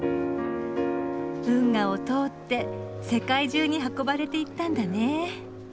運河を通って世界中に運ばれていったんだね。